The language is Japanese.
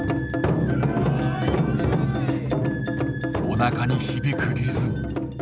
おなかに響くリズム。